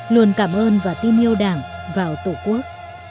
luôn cảm ơn và tin yêu đảng vào tổ quốc